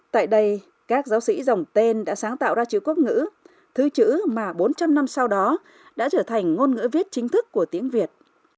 tại đây các giáo sĩ dòng tên đã sáng tạo ra chữ quốc ngữ thư chữ mà bốn trăm linh năm sau đó đã trở thành ngôn ngữ viết chính thức của tiếng việt